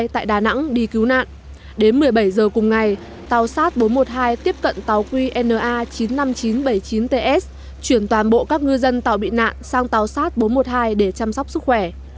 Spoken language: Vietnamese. tại đà nẵng đi cứu nạn đến một mươi bảy h cùng ngày tàu sát bốn trăm một mươi hai tiếp cận tàu qna chín mươi năm nghìn chín trăm bảy mươi chín ts chuyển toàn bộ các ngư dân tàu bị nạn sang tàu sát bốn trăm một mươi hai để chăm sóc sức khỏe